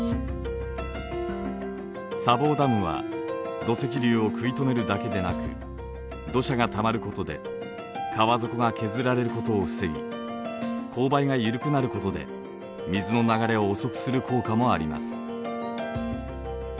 砂防ダムは土石流を食い止めるだけでなく土砂がたまることで川底が削られることを防ぎ勾配が緩くなることで水の流れを遅くする効果もあります。